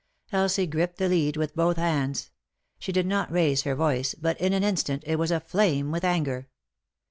Elsie gripped the lead with both hands. She did not raise her voice, but in an instant it was aflame with anger.